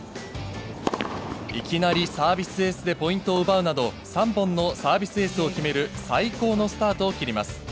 いきなりサービスエースでポイントを奪うなど、３本のサービスエースを決める、最高のスタートを切ります。